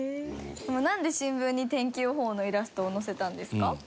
でもなんで新聞に天気予報のイラストを載せたんですか？